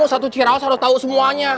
satu cirawas harus tahu semuanya